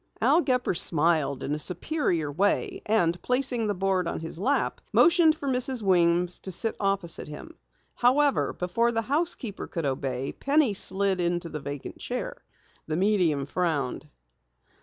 Al Gepper smiled in a superior way, and placing the board on his lap, motioned for Mrs. Weems to sit opposite him. However, before the housekeeper could obey, Penny slid into the vacant chair. The medium frowned.